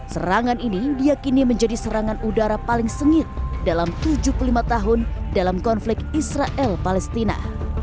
serangan ini diakini menjadi serangan udara paling sengit dalam tujuh puluh lima tahun dalam konflik israel palestina